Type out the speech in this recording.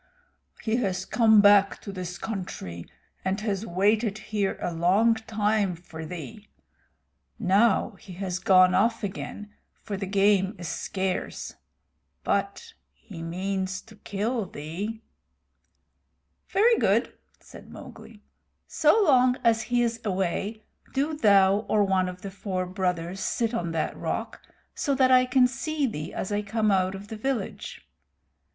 "He has come back to this country, and has waited here a long time for thee. Now he has gone off again, for the game is scarce. But he means to kill thee." "Very good," said Mowgli. "So long as he is away do thou or one of the four brothers sit on that rock, so that I can see thee as I come out of the village.